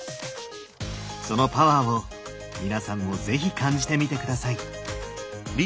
そのパワーを皆さんも是非感じてみて下さい。